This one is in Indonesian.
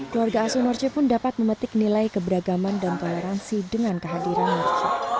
keluarga asuh norje pun dapat memetik nilai keberagaman dan toleransi dengan kehadiran norje